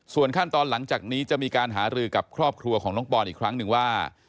ส่วนขั้นตอนหลังจากนี้จะมีการหารือกับครอบครัวของน้องปอนอีกครั้งหนึ่งว่า